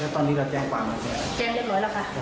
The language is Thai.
แล้วตอนนี้เราแจ้งฝ่ามากันไหมแจ้งเรียบร้อยแล้วค่ะ